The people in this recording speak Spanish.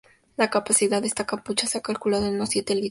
La capacidad de esta "capucha" se ha calculado en unos siete litros.